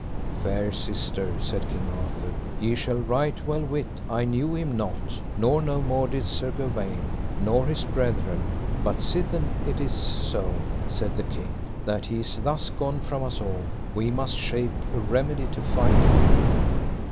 Fair sister, said King Arthur, ye shall right well wit I knew him not, nor no more did Sir Gawaine, nor his brethren; but sithen it is so, said the king, that he is thus gone from us all, we must shape a remedy to find him.